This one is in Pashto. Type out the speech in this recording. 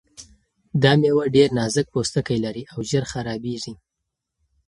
دا مېوه ډېر نازک پوستکی لري او ژر خرابیږي.